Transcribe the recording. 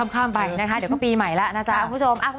ข้ามไปนะคะเดี๋ยวก็ปีใหม่แล้วนะจ๊ะคุณผู้ชม